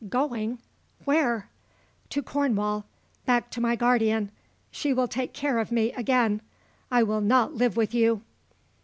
"Going? Where?" "To Cornwall, back to my guardian. She will take care of me again. I will not live with you."